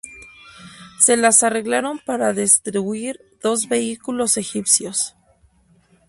Se las arreglaron para destruir dos vehículos egipcios.